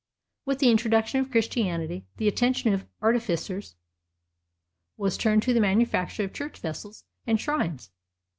With the introduction of Christianity, the attention of artificers was turned to the manufacture of church vessels and shrines.